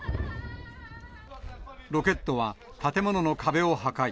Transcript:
ロケットは建物の壁を破壊。